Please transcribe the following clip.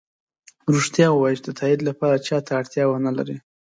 ریښتیا ؤوایه چې د تایید لپاره چا ته اړتیا ونه لری